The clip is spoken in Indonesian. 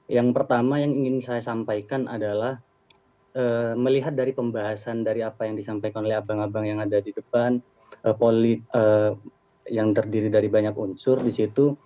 yang pertama yang ingin saya sampaikan adalah melihat dari pembahasan dari apa yang disampaikan oleh abang abang yang ada di depan yang terdiri dari banyak unsur di situ